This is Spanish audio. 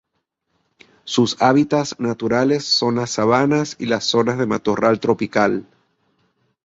Sus hábitats naturales son las sabanas y las zonas de matorral tropical.